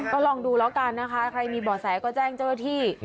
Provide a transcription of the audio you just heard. ก็ลองดูแล้วกันนะคะใครมีบ่อแสก็แจ้งเจ้าหน้าที่